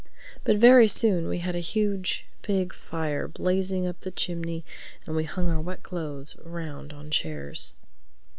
But very soon we had a huge big fire blazing up the chimney and we hung our wet clothes around on chairs.